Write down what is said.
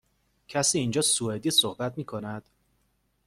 کسی اینجا سوئدی صحبت می کند؟